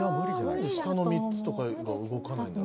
何で下の３つとかが動かないんだ？